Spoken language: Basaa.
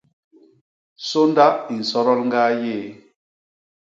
Sônda i nsodol ñgaa yéé.